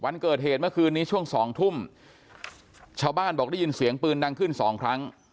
วันเกิดเหตุเมื่อคืนนี้ช่วงสองทุ่มชาวบ้านบอกได้ยินเสียงปืนดังขึ้นสองครั้ง